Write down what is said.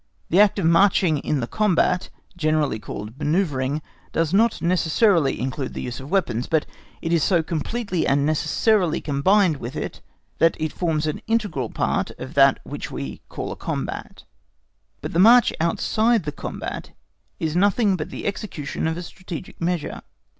The act of marching in the combat, generally called manoeuvring, certainly does not necessarily include the use of weapons, but it is so completely and necessarily combined with it that it forms an integral part of that which we call a combat. But the march outside the combat is nothing but the execution of a strategic measure.